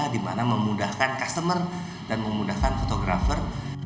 dimana memudahkan customer dan memudahkan fotografer